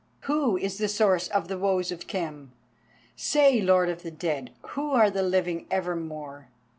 Who is the source of the woes of Khem? Say, Lord of the dead, who are the living evermore?"